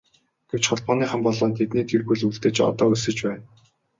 Гэвч Холбооныхон болоод тэдний гэр бүл үлдэж одоо өлсөж байна.